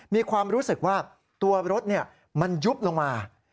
มีความรู้สึกว่าตัวรถมันยุบลงมา